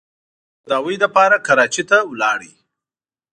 د تداوۍ لپاره کراچۍ ته ولاړ.